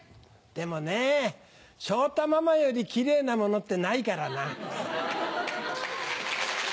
でもね昇太ママよりキレイなものってないからな。